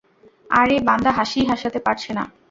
আর এই বান্দা হাসিই থাসাতে পারছে না।